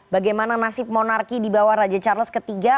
bagaimana nasib monarki di bawah raja charles iii